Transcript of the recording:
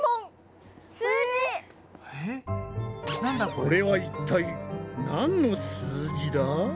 これは一体何の数字だ？